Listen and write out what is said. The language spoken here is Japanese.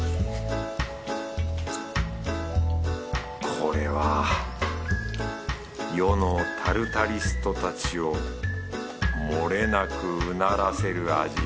これは世のタルタリストたちをもれなくうならせる味。